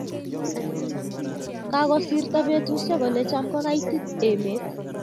Kagosirto betushiek olecham kogaitit emet